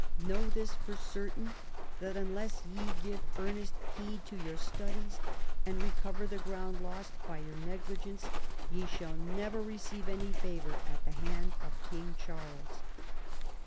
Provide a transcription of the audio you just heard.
Know this for certain, that unless ye give earnest heed to your studies, and recover the ground lost by your negligence, ye shall never receive any favor at the hand of King Charles."